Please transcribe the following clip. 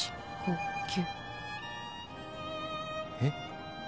えっ。